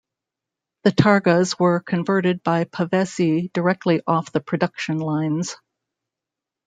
The targas were converted by Pavesi directly off the production lines.